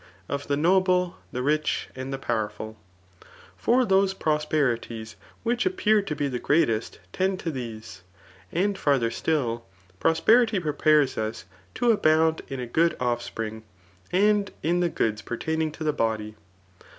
of the noble, the ridi^ and the powerful ;3 for those prosperities which appear to be die grea; test tend to these. And &rtber sdtl, prosperity prepares us to abound in a good ofispring, and in the goods pertaining to the body.